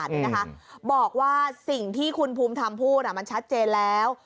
มหาวิทยาลัยเกษตรศาสตร์บอกว่าสิ่งที่คุณภูมิทำพูดมันชัดเจนแล้ว